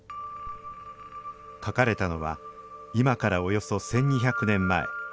書かれたのは今からおよそ１２００年前。